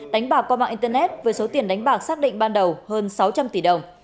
đánh bạc qua mạng internet với số tiền đánh bạc xác định ban đầu hơn sáu trăm linh tỷ đồng